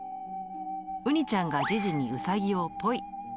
うにちゃんがジジにうさぎをぽい。